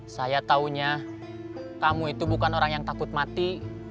saya taunya kamu itu bukan orang yang takut mati